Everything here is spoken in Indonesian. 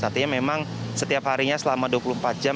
artinya memang setiap harinya selama dua puluh empat jam